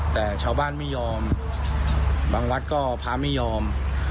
แต่ชาวบ้านไม่ยอมบางวัดก็พระไม่ยอม